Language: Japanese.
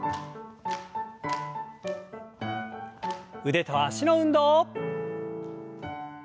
腕と脚の運動。